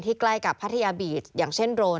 ที่ใกล้กับพัฒนียาบีทอย่างเช่นโดรน